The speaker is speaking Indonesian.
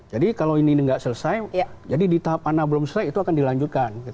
jadi kalau ini nggak selesai jadi di tahap mana belum selesai itu akan dilanjutkan